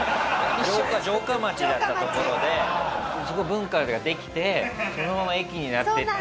城下町だった所で文化ができてそのまま駅になっていった。